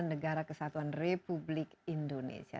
negara kesatuan republik indonesia